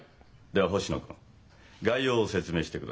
では星野君概要を説明してください。